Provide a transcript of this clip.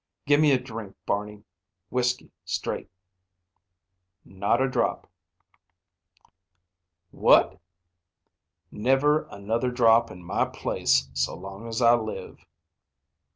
"Gimme a drink, Barney. Whiskey, straight." "Not a drop." "What?" "Never another drop in my place so long as I live."